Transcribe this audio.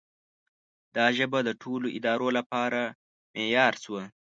دا ژبه د ټولو ادارو لپاره معیار شوه.